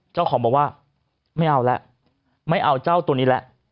เจ้าของบอกว่าไม่เอาแล้วไม่เอาเจ้าตัวนี้แล้ว